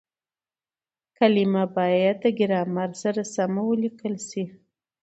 کليمه بايد د ګرامر سره سمه وليکل سي.